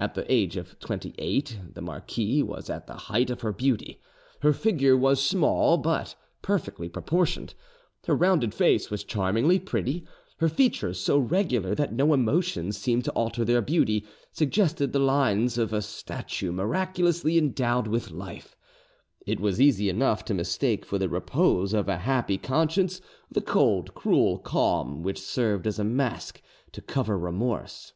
At the age of twenty eight the marquise was at the height of her beauty: her figure was small but perfectly proportioned; her rounded face was charmingly pretty; her features, so regular that no emotion seemed to alter their beauty, suggested the lines of a statue miraculously endowed with life: it was easy enough to mistake for the repose of a happy conscience the cold, cruel calm which served as a mask to cover remorse.